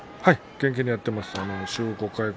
元気にはやっています。